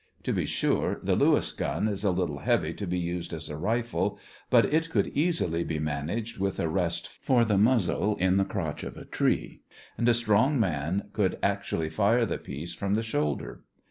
To be sure, the Lewis gun is a little heavy to be used as a rifle, but it could easily be managed with a rest for the muzzle in the crotch of a tree, and a strong man could actually fire the piece from the shoulder.